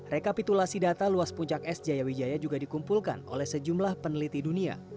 rekapitulasi data luas puncak es jaya wijaya juga dikumpulkan oleh sejumlah peneliti dunia